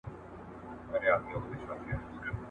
ولي په سوسیالیزم کي فردي ملکیت له منځه ځي؟